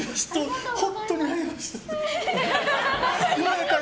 本当に会えました。